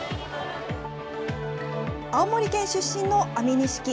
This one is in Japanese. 青森県出身の安美錦。